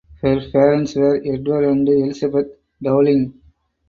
Her parents were Edward and Elizabeth Dowling.